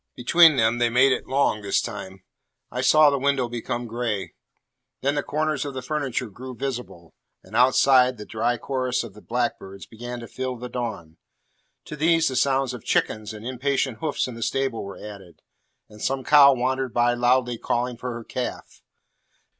Between them they made it long this time. I saw the window become gray; then the corners of the furniture grow visible; and outside, the dry chorus of the blackbirds began to fill the dawn. To these the sounds of chickens and impatient hoofs in the stable were added, and some cow wandered by loudly calling for her calf.